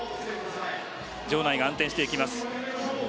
場内が暗転してきます。